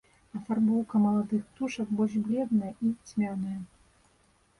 Афарбоўка маладых птушак больш бледная і цьмяная.